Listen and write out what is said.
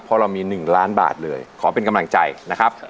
เพราะเรามี๑ล้านบาทเลยขอเป็นกำลังใจนะครับ